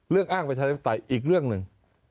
เรื่องอ้างประชาชนศัพท์ไตอีกเรื่องหนึ่ง